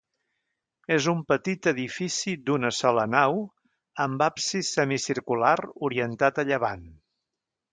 És un petit edifici d'una sola nau amb absis semicircular orientat a llevant.